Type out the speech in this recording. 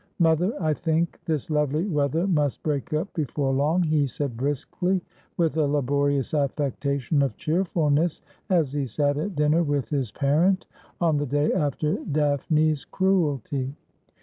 ' Mother, I think this lovely weather must break up before long,' he said briskly, with a laborious affectation of cheerful ness, as he sat at dinner with his parent on the day after Daphne's cruelty.